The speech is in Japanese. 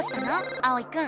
あおいくん。